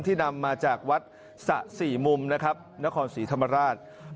นำมาจากวัดสะสี่มุมนะครับนครศรีธรรมราช